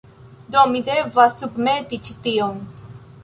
Do, mi devas submeti ĉi tion